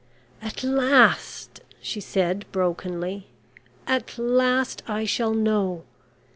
"At last," she said, brokenly "at last I shall know.